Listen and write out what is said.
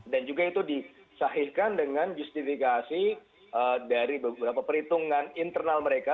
juga itu disahihkan dengan justifikasi dari beberapa perhitungan internal mereka